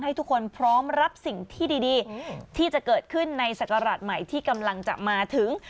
ให้ทุกคนพร้อมรับสิ่งที่ดีที่จะเกิดขึ้นในศักราชใหม่ที่กำลังจะมาถึง